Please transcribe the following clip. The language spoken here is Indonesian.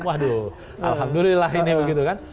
waduh alhamdulillah ini begitu kan